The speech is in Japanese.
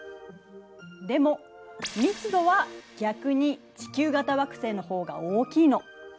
でも密度は逆に地球型惑星の方が大きいの。